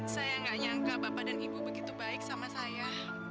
saya tidak menyangka bapak dan ibu begitu baik dengan saya